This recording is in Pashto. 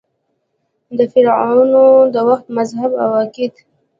د فرعنوو د وخت مذهب او عقیده :